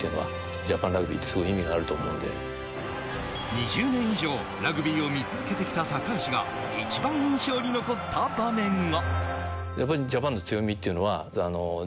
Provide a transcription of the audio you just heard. ２０年以上、ラグビーを見続けてきた高橋が一番印象に残った場面が。